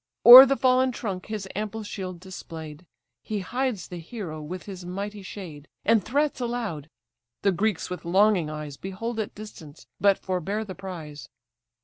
O'er the fall'n trunk his ample shield display'd, He hides the hero with his mighty shade, And threats aloud! the Greeks with longing eyes Behold at distance, but forbear the prize.